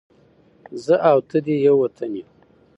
زه او ته دې ېو وطن ېو